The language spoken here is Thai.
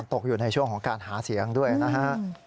ตกอยู่ในช่วงของการหาเสียงด้วยนะฮะ